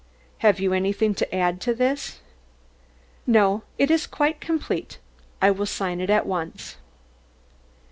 "Have you anything to add to this?" "No, it is quite complete. I will sign it at once."